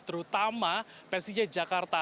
terutama persija jagad